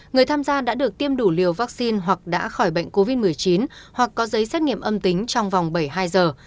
người tham gia đã được tiêm đủ liều vaccine hoặc đã khỏi bệnh covid một mươi chín hoặc có giấy xét nghiệm âm tính trong vòng bảy mươi hai giờ